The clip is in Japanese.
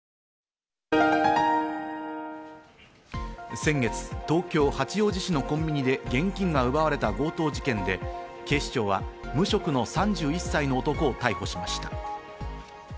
先月、東京・八王子市のコンビニで現金が奪われた強盗事件で、警視庁は無職の３１歳の男を逮捕しました。